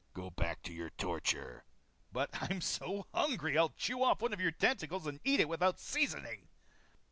"Go back to your torture." "But I'm so hungry I'll chew off one of your tentacles and eat it without seasoning."